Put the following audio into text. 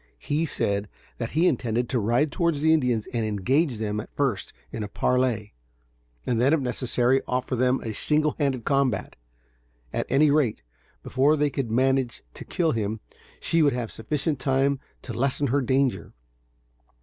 He said that he intended to ride towards the Indians and engage them at first in a parley, and then if necessary offer them a single handed combat. At any rate, before they could manage to kill him, she would have sufficient time to lessen her danger.